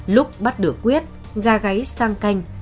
lúc bắt được quyết ga gáy sang canh